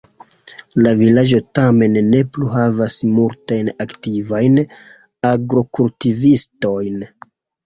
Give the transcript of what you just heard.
La vilaĝo tamen ne plu havas multajn aktivajn agrokultivistojn.